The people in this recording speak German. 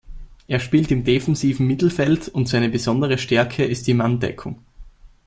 Er spielt im defensiven Mittelfeld und seine besondere Stärke ist die Manndeckung.